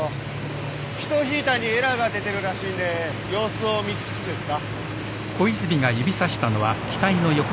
ピトーヒーターにエラーが出てるらしいんで様子を見つつですか。